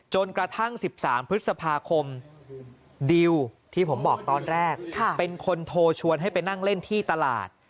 จนกระทั่ง๑๓พฤษภาคมดิวที่ผมบอกตอนแรกเป็นคนโทรชวนให้ไปนั่งเล่นที่ตลาด